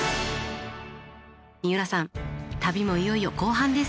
三浦さん旅もいよいよ後半です。